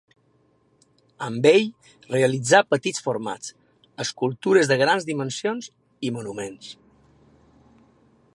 Amb ell realitzà petits formats, escultures de grans dimensions i monuments.